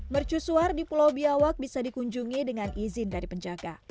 mercusuar di pulau biawak bisa dikunjungi dengan izin dari penjaga